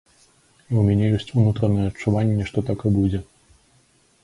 І ў мяне ёсць унутранае адчуванне, што так і будзе.